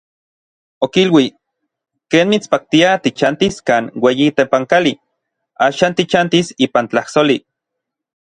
Okilui: "Ken mitspaktia tichantis kan ueyi tepankali, axan tichantis ipan tlajsoli".